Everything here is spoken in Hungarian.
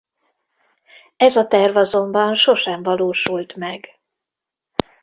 Ez a terv azonban sosem valósult meg.